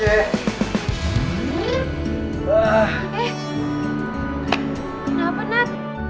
eh apaan sih